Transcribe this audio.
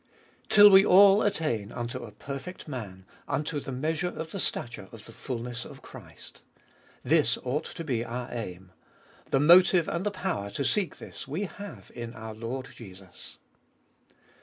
2. Till we all attain unto a perfect man, unto the measure of the stature of the fulness of Christ: this ought to be our aim. The motiue and the power to seek this we have in our Lord Jesus.